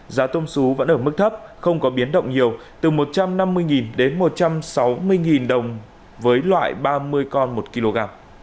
giá tôm xú vẫn ở mức thấp không có biến động nhiều từ một trăm năm mươi đến một trăm sáu mươi đồng với loại ba mươi con một kg